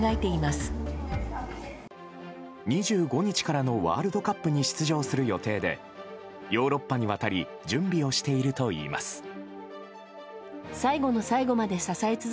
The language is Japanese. ２５日からのワールドカップに出場する予定でヨーロッパに渡り準備をしているといいます。